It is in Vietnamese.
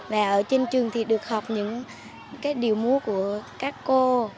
và ở trên trường thì được học những cái điều múa của các cô